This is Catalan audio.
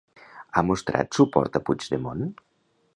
Ha mostrat suport a Puidgdemont?